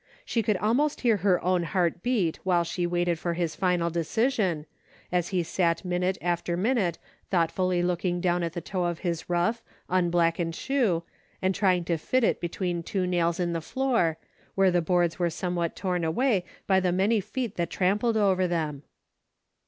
She could almost hear her own heart beat while she waited for his final decision, as he sat minute after minute thought fully looking down at the toe of his rough, un blackened shoe and trying to fit it between two nails in the floor, where the boards were somewhat worn away by the many feet that tramped over them.